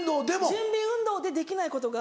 準備運動でできないことが。